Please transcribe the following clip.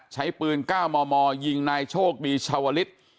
ใช้ปืน๙มมยิงนายโชคดีชาวลิศ